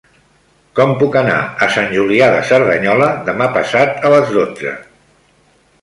Com puc anar a Sant Julià de Cerdanyola demà passat a les dotze?